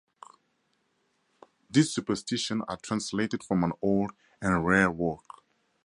These superstitions are translated from an old and rare work.